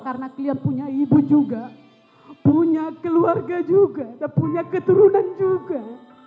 karena kalian punya ibu juga punya keluarga juga dan punya keturunan juga